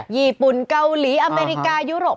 ญี่ปุ่นเกาหลีอเมริกายุโรป